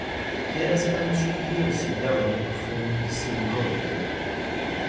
He then spent three years in Dublin performing the same role.